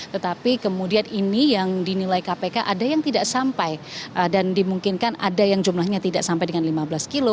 tetapi kemudian ini yang dinilai kpk ada yang tidak sampai dan dimungkinkan ada yang jumlahnya tidak sampai dengan lima belas kilo